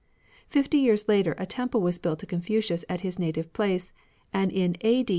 Fifty years later a temple was built to Confucius at his native place ; and in a.d.